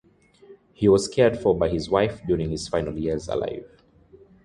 He was cared for by his wife during his final years alive.